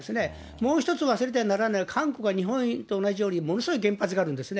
もう一つ、忘れてはならないのは韓国は、日本と同じように、ものすごい原発があるんですね。